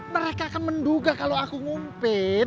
mereka akan menduga kalau aku ngumpir